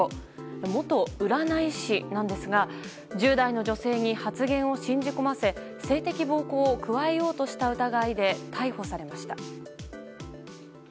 元占い師なんですが１０代の女性に発言を信じ込ませ性的暴行を加えようとした疑いで逮捕されました。